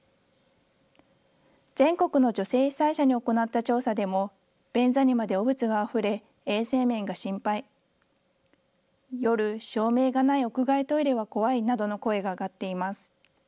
全国の女性被災者に行った調査でも、便座にまで汚物があふれ衛生面が心配、夜、照明がない屋外トイレは怖いなどの声が上がっています。